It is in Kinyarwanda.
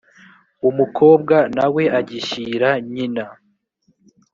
umukobwa na we agishyira nyina